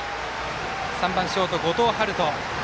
３番ショート、後藤陽人。